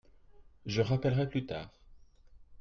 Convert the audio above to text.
Je rappellerai plus tard.